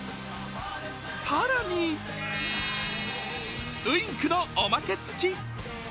更に、ウインクのおまけつき。